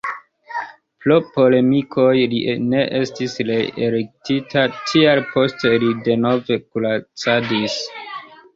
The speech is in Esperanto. Pro polemikoj li ne estis reelektita, tial poste li denove kuracadis.